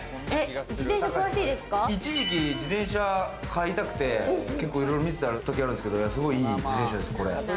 一時期自転車買いたくて、結構いろいろ見せてたときがあるんですけれど、すごいいい自転車です、これ。